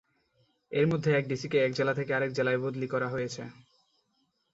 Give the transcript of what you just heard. এর মধ্যে এক ডিসিকে এক জেলা থেকে আরেক জেলায় বদলি করা হয়েছে।